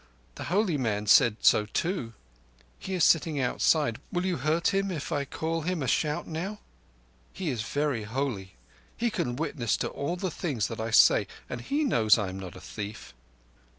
The holy man said so too. He is sitting outside. Will you hurt him, if I call him a shout now? He is very holy. He can witness to all the things I say, and he knows I am not a thief."